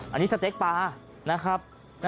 อันนี้สเต็กปลานะครับ